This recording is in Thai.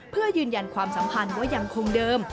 เพื่อยืนยันความสัมพันธ์ว่ายังคงเดิม